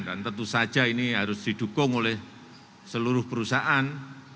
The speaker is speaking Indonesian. dan tentu saja ini harus didukung oleh seluruh perusahaan